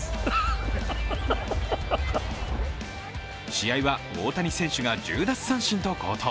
試合は大谷選手が１０奪三振と好投。